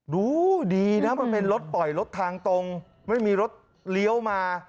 ดูดีนะมันเป็นรถปล่อยรถทางตรงไม่มีรถเลี้ยวมา